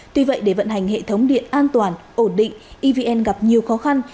tuy vậy để vận hành hệ thống điện an toàn ổn định evn gặp nhiều khó khăn